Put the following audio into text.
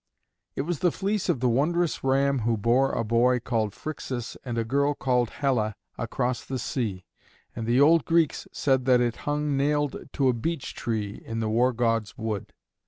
It was the fleece of the wondrous ram who bore a boy called Phrixus and a girl called Helle across the sea; and the old Greeks said that it hung nailed to a beech tree in the War god's wood.